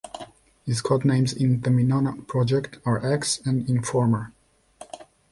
His code names in the Venona project are "X" and "Informer".